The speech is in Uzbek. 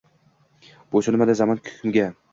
boʼysunmaydi zamon hukmiga